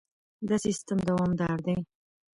دا سیستم دوامدار دی.